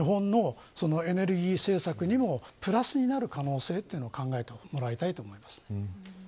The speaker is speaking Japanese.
そして日本のエネルギー政策にもプラスになる可能性も考えてもらいたいと思います。